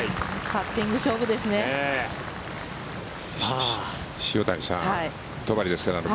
パッティング勝負ですね。